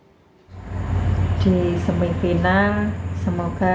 keduanya mendoakan timnas indonesia muda bisa menang pada lagam lawan uzbekistan malam nanti